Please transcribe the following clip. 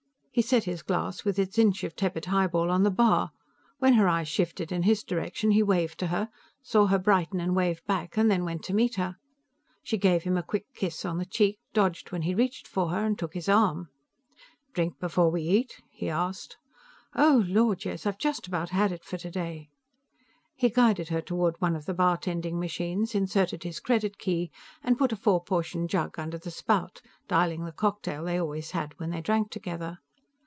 He set his glass, with its inch of tepid highball, on the bar; when her eyes shifted in his direction, he waved to her, saw her brighten and wave back and then went to meet her. She gave him a quick kiss on the cheek, dodged when he reached for her and took his arm. "Drink before we eat?" he asked. "Oh, Lord, yes! I've just about had it for today." He guided her toward one of the bartending machines, inserted his credit key, and put a four portion jug under the spout, dialing the cocktail they always had when they drank together.